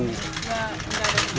enggak ada kerjaan